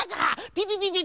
ピピピピ